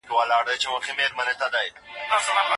د سهارنۍ نه خوړل د زړه ناروغۍ خطر زیاتوي.